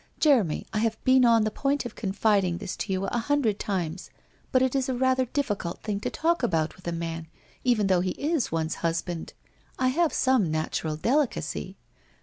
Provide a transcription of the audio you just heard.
Jeremy, I have been on the point of confiding this to you a hundred times, but it is a rather difficult thing to talk about with a man, even though he is one's husband. I have some natural delicacy.